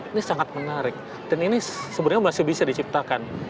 ini sangat menarik dan ini sebenarnya masih bisa diciptakan